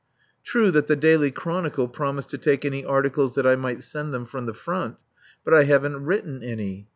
True that The Daily Chronicle promised to take any articles that I might send them from the front, but I haven't written any.